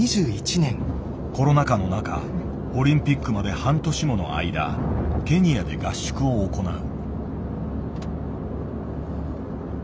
コロナ禍の中オリンピックまで半年もの間ケニアで合宿を行う。